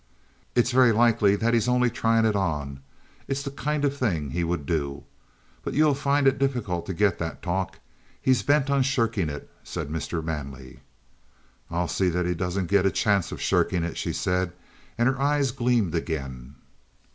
"It's very likely that he's only trying it on. It's the kind of thing he would do. But you'll find it difficult to get that talk. He's bent on shirking it," said Mr. Manley. "I'll see that he doesn't get the chance of shirking it," she said, and her eyes gleamed again.